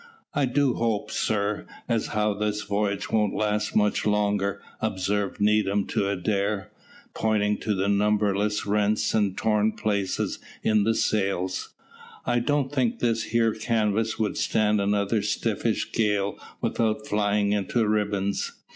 "I do hope, sir, as how this voyage won't last much longer," observed Needham to Adair, pointing to numberless rents and torn places in the sails. "I don't think this here canvas would stand another stiffish gale without flying into ribbons.